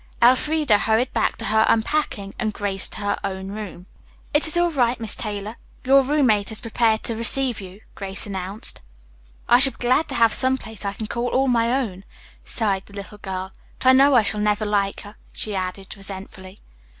Elfreda hurried back to her unpacking and Grace to her own room. "It is all right, Miss Taylor. Your roommate is prepared to receive you," Grace announced. "I shall be glad to have some place I can call all my own," sighed the little girl, "but I know I shall never like her," she added resentfully.